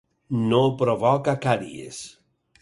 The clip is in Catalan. No provoca càries.